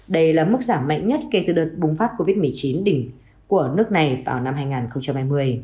đây là mức giảm mạnh nhất kể từ đợt bùng phát covid một mươi chín đỉnh của nước này vào năm hai nghìn hai mươi